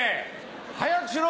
早くしろ！